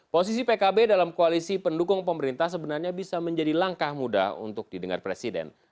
posisi pkb dalam koalisi pendukung pemerintah sebenarnya bisa menjadi langkah mudah untuk didengar presiden